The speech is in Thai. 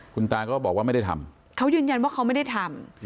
คุณตาก็บอกว่าไม่ได้ทำเขายืนยันว่าเขาไม่ได้ทำ